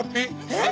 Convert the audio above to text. えっ！？